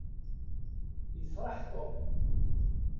Yefṛeḥ Tom.